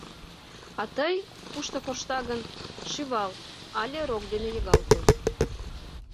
— А тый, кушто коршта гын, шӱвал але рок дене йыгалте.